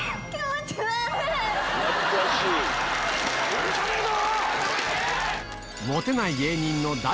許さねえぞ！